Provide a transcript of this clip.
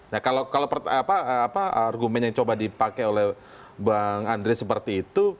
nah kalau argumen yang coba dipakai oleh bang andre seperti itu